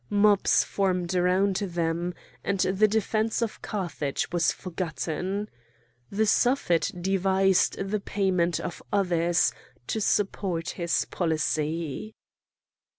Mobs formed around them, and the defence of Carthage was forgotten. The Suffet devised the payment of others to support his policy.